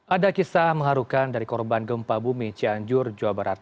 ada kisah mengharukan dari korban gempa bumi cianjur jawa barat